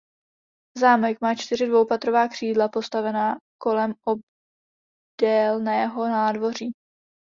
Zámek má čtyři dvoupatrová křídla postavená kolem obdélného nádvoří.